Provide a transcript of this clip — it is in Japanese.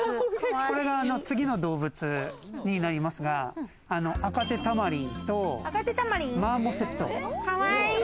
これが次の動物になりますが、アカテタマリンとマーモセット。